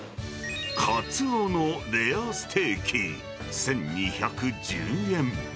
カツオのレアステーキ１２１０円。